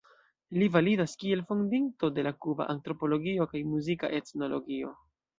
Li validas kiel fondinto de la kuba antropologio kaj muzika etnologio.